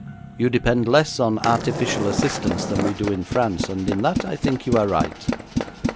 You depend less on artificial assistance than we do in France, and in that I think you are right.'